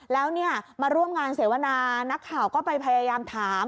แล้วเนี่ยมาร่วมงานเสวนานักข่าวก็ไปพยายามถาม